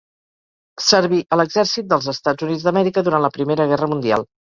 Serví a l'exèrcit dels Estats Units d'Amèrica durant la Primera Guerra Mundial.